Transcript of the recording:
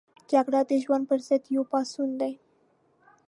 جګړه د ژوند پر ضد یو پاڅون دی